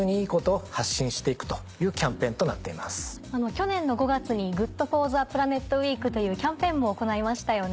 去年の５月に「ＧｏｏｄＦｏｒｔｈｅＰｌａｎｅｔウィーク」というキャンペーンも行いましたよね。